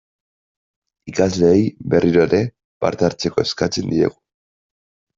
Ikasleei, berriro ere, parte hartzeko eskatzen diegu.